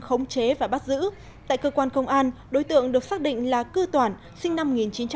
khống chế và bắt giữ tại cơ quan công an đối tượng được xác định là cư toản sinh năm một nghìn chín trăm tám mươi